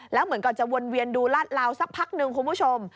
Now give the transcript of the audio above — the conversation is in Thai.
แล้วเหมือนก่อนจะวนเวียนดูลาดลาวสักพักนึงคุณผู้ชม